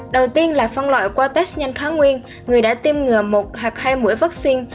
đầu tiên là phân loại qua test nhanh kháng nguyên người đã tiêm ngừa một hoặc hai mũi vaccine